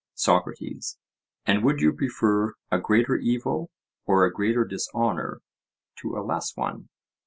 SOCRATES: And would you prefer a greater evil or a greater dishonour to a less one?